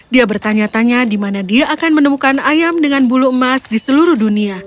dia bertanya tanya di mana dia akan menemukan ayam dengan bulu emas di seluruh dunia